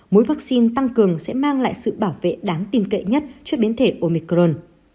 mối vaccine tăng cường sẽ mang lại sự bảo vệ đáng tin cậy nhất trước biến thể omicron